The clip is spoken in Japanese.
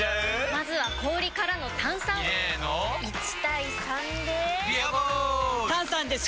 まずは氷からの炭酸！入れの１：３で「ビアボール」！